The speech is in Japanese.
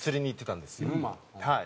はい。